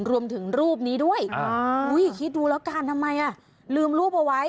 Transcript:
รวมถึงรูปนี้ด้วยคิดดูแล้วกันทำไมลืมรูปเอาไว้